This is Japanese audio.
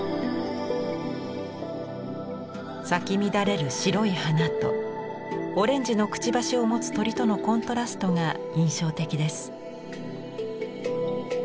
咲き乱れる白い花とオレンジのくちばしを持つ鳥とのコントラストが印象的です。